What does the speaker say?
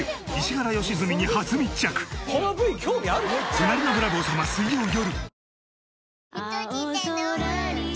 『隣のブラボー様』水曜よる。